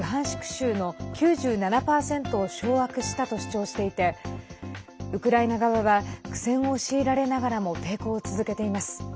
州の９７％を掌握したと主張していてウクライナ側は苦戦を強いられながらも抵抗を続けています。